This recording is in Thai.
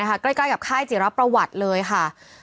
ใกล้กับค่ายจิรประวัติเลยค่ะ